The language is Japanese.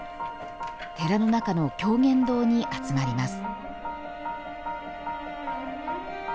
寺の中の狂言堂に集まります。